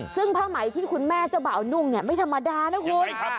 ซึ่งผ้าหมายที่คุณแม่เจ้าบ่าวนุ่งไม่ธรรมดานะคุณ